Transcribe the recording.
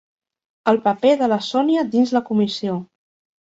El paper de la Sònia dins la comissió.